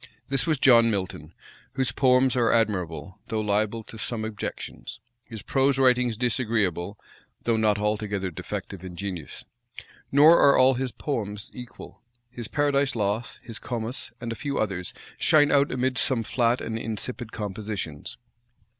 This was John Milton, whose poems are admirable, though liable to some objections; his prose writings disagreeable, though not altogether defective in genius. Nor are all his poems equal: his Paradise Lost, his Comus, and a few others, shine out amidst some flat and insipid compositions.